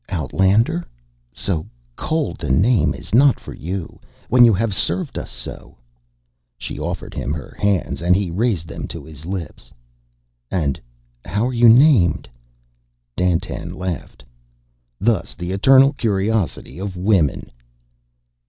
"Outlander? So cold a name is not for you, when you have served us so." She offered him her hands and he raised them to his lips. "And how are you named?" Dandtan laughed. "Thus the eternal curiosity of women!"